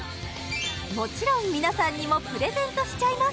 もちろん皆さんにもプレゼントしちゃいます